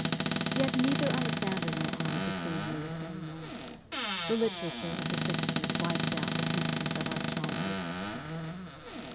Yet neither Alexander nor I became military men. The literature of the sixties wiped out the teachings of our childhood.